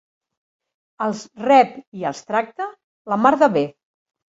Els rep i els tracta la mar de bé.